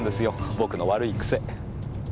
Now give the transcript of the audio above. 僕の悪い癖。